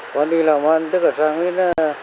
con đi làm ăn tất cả sang đến